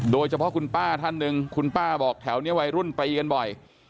โดยเฉพาะคุณป้าท่านหนึ่งคุณป้าบอกแถวนี้วัยรุ่นตีกันบ่อย